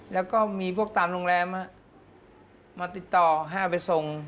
แล้วก็มีพวกตามโรงแรมมาติดต่อห้ามไปส่ง